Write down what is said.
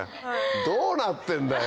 どうなってんだよ